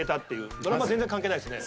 ドラマ全然関係ないですね。